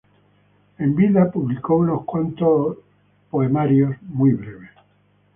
En vida publicó unos cuantos poemarios, muy breves.